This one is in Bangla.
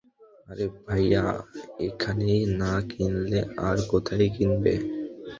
আরে ভাইয়া, এখানে না কিনলে আর কোথায় কিনবে?